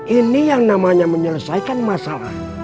ini yang namanya menyelesaikan masalah